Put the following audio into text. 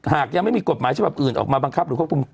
หากยังไม่มีกฎหมายฉบับอื่นออกมาบังคับหรือควบคุม